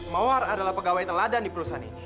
mawar adalah pegawai teladan di perusahaan ini